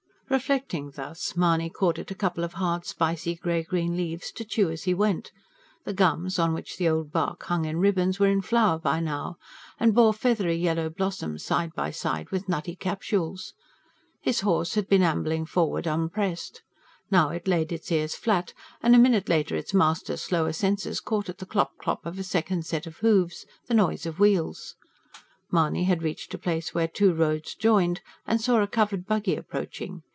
Reflecting thus, Mahony caught at a couple of hard, spicy, grey green leaves, to chew as he went: the gums, on which the old bark hung in ribbons, were in flower by now, and bore feathery yellow blossoms side by side with nutty capsules. His horse had been ambling forward unpressed. Now it laid its ears flat, and a minute later its master's slower senses caught the clop clop of a second set of hoofs, the noise of wheels. Mahony had reached a place where two roads joined, and saw a covered buggy approaching.